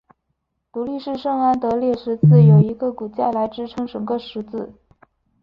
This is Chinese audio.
独立式圣安得烈十字有一个骨架来支撑整个十字。